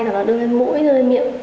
nó đưa lên mũi đưa lên mũi